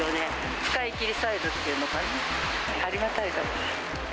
使い切りサイズっていうのかな、ありがたいです。